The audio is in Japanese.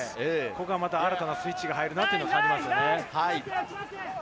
また新たなスイッチが入るのを感じますね。